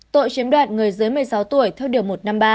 tội chiếm đoạt người dưới một mươi sáu tuổi theo điều một trăm năm mươi ba